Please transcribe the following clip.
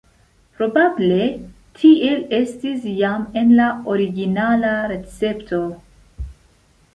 Probable tiel estis jam en la originala recepto.